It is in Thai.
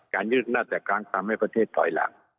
การยึดอำนาจแต่ครั้งสามให้ประเทศถอยหลัง